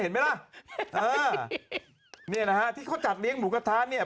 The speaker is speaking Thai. เห็นไหมล่ะเออเนี่ยนะฮะที่เขาจัดเลี้ยงหมูกระทะเนี่ย